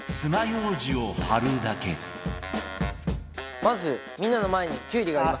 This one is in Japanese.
まずみんなの前にきゅうりがあります。